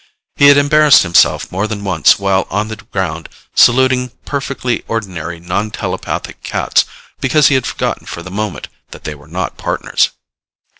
He had embarrassed himself more than once while on the ground saluting perfectly ordinary non telepathic cats because he had forgotten for the moment that they were not Partners.